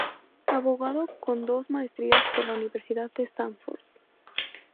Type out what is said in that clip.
Abogado con dos maestrías por la Universidad de Stanford.